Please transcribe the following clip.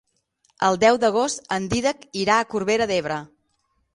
El deu d'agost en Dídac irà a Corbera d'Ebre.